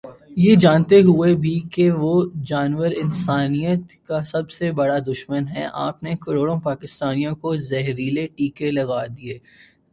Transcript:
یہ جانتے ہوئے بھی کہ وہ جانور انسانیت کا سب سے بڑا دشمن ہے آپ نے کروڑوں پاکستانیوں کو زہریلے ٹیکے لگا دیے۔۔